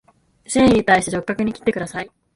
繊維に対して直角に切ってください